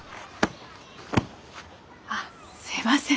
あすいません。